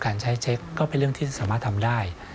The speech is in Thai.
การใช้เช็คก็เป็นเรื่องที่สามารถทำได้